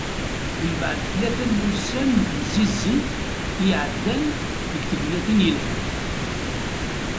Mbeɛd tlata n wussan n temsizzelt i iɛeddan deg tegnatin yelhan.